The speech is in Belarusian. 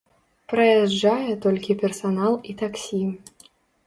Праязджае толькі персанал і таксі.